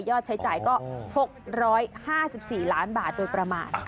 ใช้จ่ายก็๖๕๔ล้านบาทโดยประมาณ